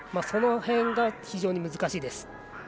その辺が非常に難しいです。